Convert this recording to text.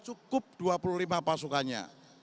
cukup dua puluh lima pasukannya